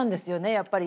やっぱり。